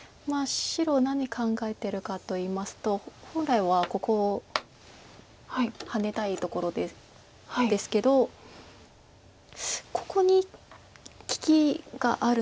白何考えてるかといいますと本来はここハネたいところですけどここに利きがあるので。